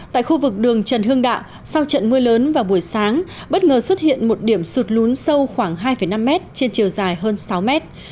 tại khu vực đường trần hương đạo sau trận mưa lớn vào buổi sáng bất ngờ xuất hiện một điểm sụt lún sâu khoảng hai năm mét trên chiều dài hơn sáu mét